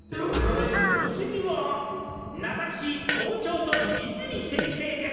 お次は私校長とイズミ先生です！